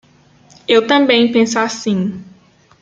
Eu também penso assim.